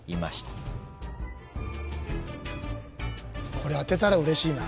これ当てたらうれしいな。